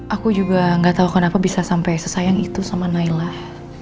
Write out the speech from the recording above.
aku juga gak tahu kenapa bisa sampai sesayang itu sama naila